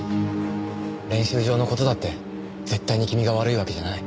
練習場の事だって絶対に君が悪いわけじゃない。